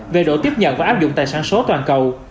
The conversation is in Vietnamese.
về độ tiếp nhận và áp dụng tài sản số toàn cầu